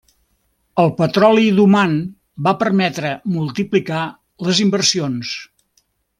El petroli d'Oman va permetre multiplicar les inversions.